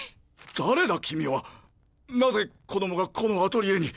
誰だ君は⁉なぜ子どもがこのアトリエに？